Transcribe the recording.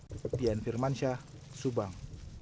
seperti yang firmansyah subang